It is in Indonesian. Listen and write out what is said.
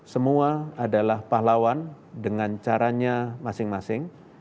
semua adalah pahlawan dengan caranya masing masing